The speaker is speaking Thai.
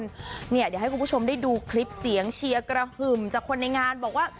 เดี๋ยวให้คุณผู้ชมได้ดูคลิปเสียงเชียร์กระหึ่มจากคนในงานบอกว่า